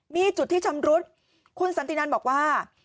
มีจุดที่ชำรุดคุณสันตินันบอกว่า